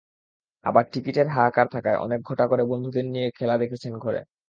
আবার টিকিটের হাহাকার থাকায় অনেকে ঘটা করে বন্ধুদের নিয়ে খেলা দেখেছেন ঘরে।